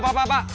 pak pak pak